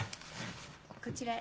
こちらへ。